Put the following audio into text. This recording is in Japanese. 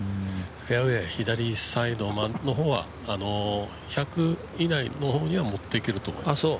フェアウエーは左サイドの方は１００以内の方にはもっていけると思います。